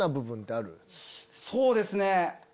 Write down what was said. そうですね。